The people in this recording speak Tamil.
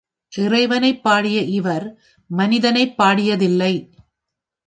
இறைவனைப் பாடிய இவர் மனிதனைப் பாடியதில்லை.